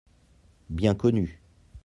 Bien connu.